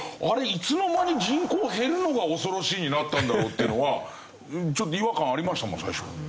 いつの間に「人口減るのが恐ろしい」になったんだろうっていうのは違和感ありましたもん最初。